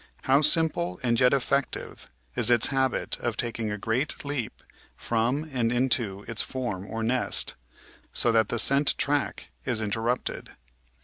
How simple and yet effective is its habit of taking a great leap from and into its "form" or nest, so that the scent track is interrupted.